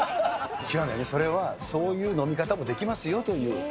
違うんだよね、それはそういう飲み方もできますよという。